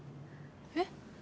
えっ？